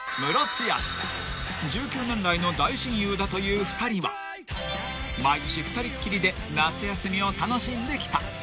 ［１９年来の大親友だという２人は毎年２人っきりで夏休みを楽しんできた］